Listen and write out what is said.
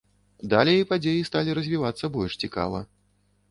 Далей падзеі сталі развівацца больш цікава.